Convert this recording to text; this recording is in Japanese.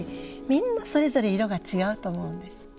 みんなそれぞれ色が違うと思うんです。